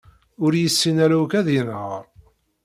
Ur yessin ara akk ad yenheṛ.